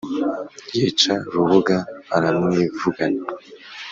yica rubuga aramwivugana